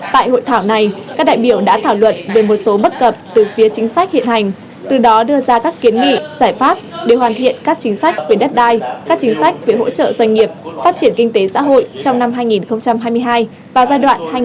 tại hội thảo này các đại biểu đã thảo luận về một số bất cập từ phía chính sách hiện hành từ đó đưa ra các kiến nghị giải pháp để hoàn thiện các chính sách về đất đai các chính sách về hỗ trợ doanh nghiệp phát triển kinh tế xã hội trong năm hai nghìn hai mươi hai và giai đoạn hai nghìn hai mươi một hai nghìn ba mươi